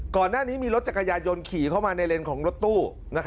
ก่อนหน้านี้มีรถจักรยายนขี่เข้ามาในเลนส์ของรถตู้